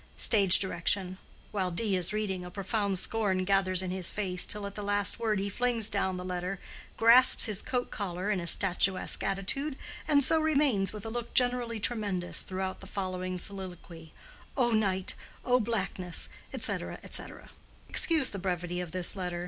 (Stage direction. While D. is reading, a profound scorn gathers in his face till at the last word he flings down the letter, grasps his coat collar in a statuesque attitude and so remains with a look generally tremendous, throughout the following soliloquy, "O night, O blackness, etc., etc.") Excuse the brevity of this letter.